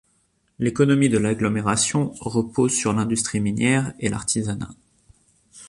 L'économie de l'agglomération repose sur l'industrie minière et l'artisanat.